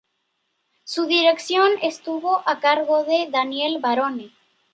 Su dirección estuvo a cargo de Daniel Barone.